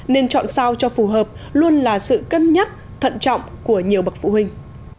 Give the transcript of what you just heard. nên chọn sao cho phù hợp luôn là sự cân nhắc thận trọng của nhiều bậc phụ huynh